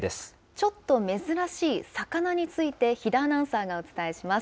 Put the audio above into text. ちょっと珍しい魚について、比田アナウンサーがお伝えします。